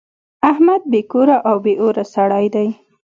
احمد بې کوره او بې اوره سړی دی.